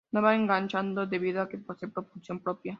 No va enganchado debido a que posee propulsión propia.